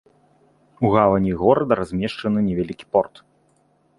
У гавані горада размешчаны невялікі порт.